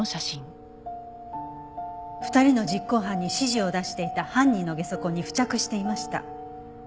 ２人の実行犯に指示を出していた犯人のゲソ痕に付着していました。